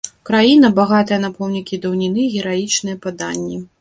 Краіна, багатая на помнікі даўніны і гераічныя паданні.